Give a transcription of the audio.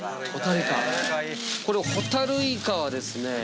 ホタルイカはですね